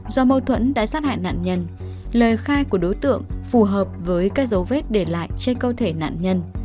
do mâu thuẫn đã sát hại nạn nhân lời khai của đối tượng phù hợp với các dấu vết để lại trên cơ thể nạn nhân